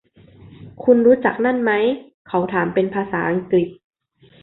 คุณรู้จักนั่นมั้ย ? เขาถามเป็นภาษาอังกฤษ